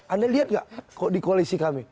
anda lihat nggak kok di koalisi kami